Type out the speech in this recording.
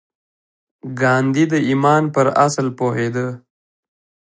ګاندي د ايمان پر اصل پوهېده.